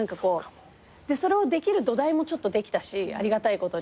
それをできる土台もちょっとできたしありがたいことに。